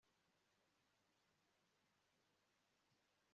habimana yahisemo ko ashaka kurya wenyine